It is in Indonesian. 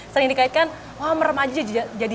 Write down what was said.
sering dikaitkan wah merem aja jadi